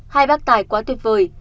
hai bác tài quá tuyệt vời